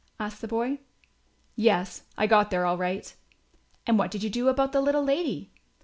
asked the boy. "Yes, I got there all right." "And what did you do about the little lady?"